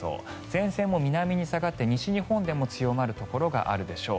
前線も南に下がって西日本でも強まるところがあるでしょう。